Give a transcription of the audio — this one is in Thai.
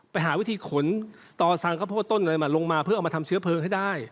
ไปหาวิธีขนต่อสั่งข้าวโพดต้นอะไรมาลงมาเพื่อเอามาทำเชื้อเพลิงให้ได้